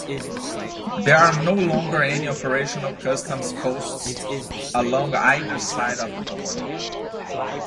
There are no longer any operational customs posts along either side of the border.